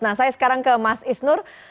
nah saya sekarang ke mas isnur